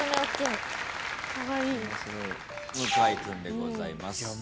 向井君でございます。